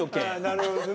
なるほどね。